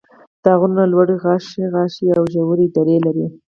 دا غرونه لوړ غاښي غاښي او ژورې درې لري.